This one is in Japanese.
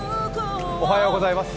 おはようございます。